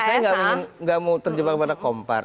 saya nggak mau terjebak pada kompar